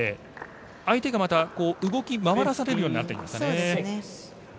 相手がまた動き回らされるようになっているんですね。